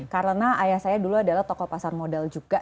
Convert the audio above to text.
karena ayah saya dulu adalah tokoh pasar modal juga